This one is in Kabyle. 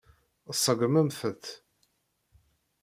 Tṣeggmemt-t.